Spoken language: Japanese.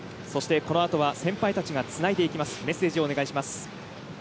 この後は先輩たちがつないでいきます。